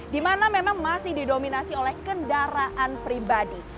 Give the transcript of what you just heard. di mana memang masih didominasi oleh kendaraan pribadi